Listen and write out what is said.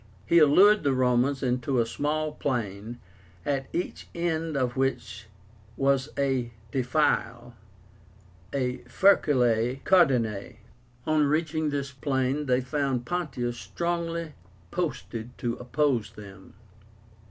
He allured the Romans into a small plain, at each end of which was a defile (Furculae Caudinae). On reaching this plain they found Pontius strongly posted to oppose them.